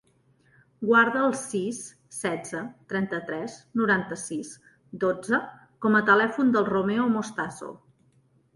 Guarda el sis, setze, trenta-tres, noranta-sis, dotze com a telèfon del Romeo Mostazo.